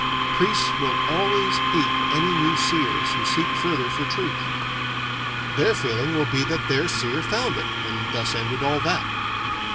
Priests will always hate any new seers who seek further for truth. Their feeling will be that their seer found it, and thus ended all that.